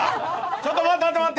ちょっと待って待って。